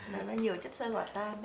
nó nhiều chất sơ hỏa tan